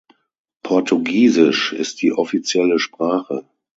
Portugiesisch ist die offizielle Sprache.